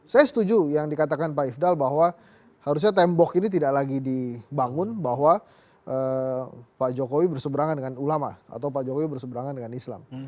saya setuju yang dikatakan pak ifdal bahwa harusnya tembok ini tidak lagi dibangun bahwa pak jokowi berseberangan dengan ulama atau pak jokowi berseberangan dengan islam